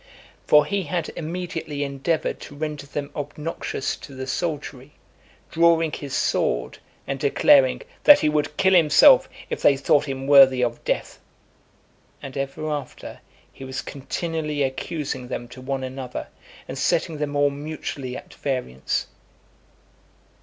For he had immediately endeavoured to render them obnoxious to the soldiery, drawing his sword, and declaring, "That he would kill himself if they thought him worthy of death;" and ever after he was continually accusing them to one another, and setting them all mutually at variance.